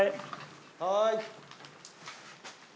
はい。